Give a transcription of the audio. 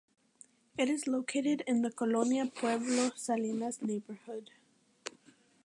It is located in the "Colonia Pueblo Salinas" neighborhood.